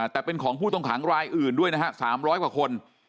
แต่เป็นของผู้ต้องขังรายอื่นด้วยนะฮะ๓๐๐กว่าคน